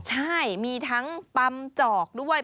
ใช่มีทั้งปั๊มจอกด้วย